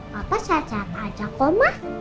papa siap siap aja kok mah